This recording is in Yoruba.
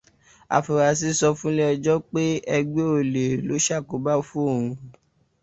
Afurasí sọ fúnlé ẹjọ pé ẹgbẹ́ olè ló ṣàkóbá fún òun.